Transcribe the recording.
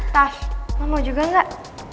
tas lo mau juga gak